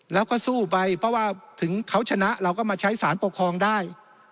แล้วก็สู้ไปเพราะว่าถึงเขาชนะเราก็มาใช้สารปกครองได้